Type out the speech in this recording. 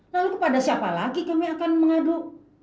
lalu kepada siapa lagi kami akan mengadu